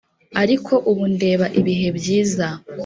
ariko ubu ndeba ibihe byiza